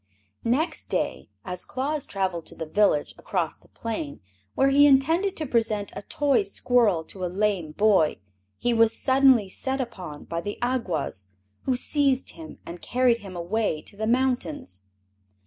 Next day, as Claus traveled to the village across the plain, where he intended to present a toy squirrel to a lame boy, he was suddenly set upon by the Awgwas, who seized him and carried him away to the mountains.